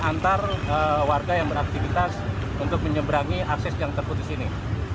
antar warga yang beraktivitas untuk menyeberangi akses yang terputus ini